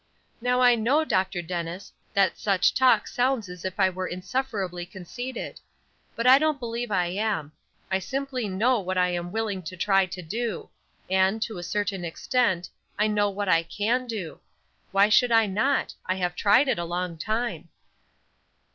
Now I know, Dr. Dennis, that such talk sounds as if I were insufferably conceited; but I don't believe I am; I simply know what I am willing to try to do; and, to a certain extent, I know what I can do. Why should I not? I have tried it a long time."